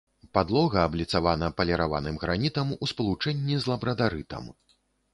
Падлога абліцавана паліраваным гранітам у спалучэнні з лабрадарытам.